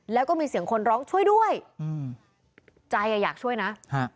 แล้วก็มีเสียงคนร้องช่วยด้วยอืมใจอ่ะอยากช่วยนะฮะ